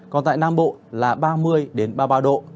còn tại nam bộ là ba mươi đến ba mươi năm độ